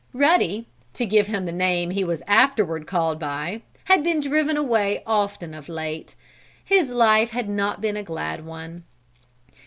"Ruddy," to give him the name he was afterward called by, had been driven away often of late. His life had not been a glad one.